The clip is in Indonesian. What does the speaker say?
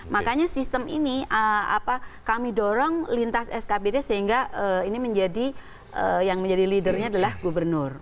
makanya sistem ini kami dorong lintas skbd sehingga ini menjadi yang menjadi leadernya adalah gubernur